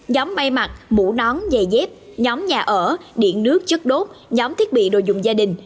nhóm bay mặt mũ nón giày dép nhóm nhà ở điện nước chất đốt nhóm thiết bị đồ dùng gia đình